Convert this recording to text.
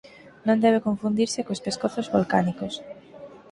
Non deben confundirse cos "pescozos volcánicos".